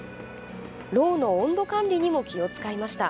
ろうの温度管理にも気を使いました。